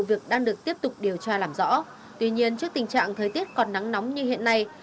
việc đang được tiếp tục điều tra làm rõ tuy nhiên trước tình trạng thời tiết còn nắng nóng như hiện nay